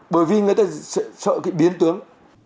bởi vì người ta sợ cái biến tướng